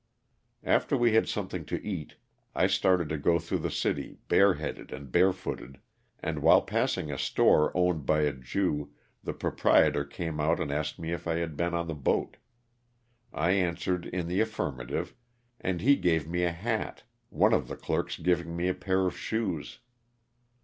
After we had something to eat I started to go through the city bare headed and bare footed, and while passing a store owned by a Jew the proprietor came out and asked me if I had been on the boat. I answered in the affirmative and he gave me a hat, one of the clerks giving me a pair of shoes.